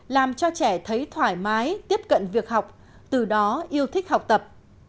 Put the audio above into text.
làm cho trẻ thấy thoải mái tiếp cận việc học từ đó yêu thích học tập